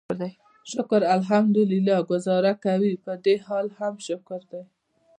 شکر الحمدلله ګوزاره کوي، پدې حال هم شکر دی.